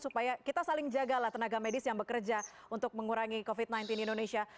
supaya kita saling jagalah tenaga medis yang bekerja untuk mengurangi covid sembilan belas di indonesia